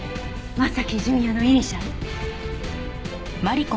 真崎純也のイニシャル。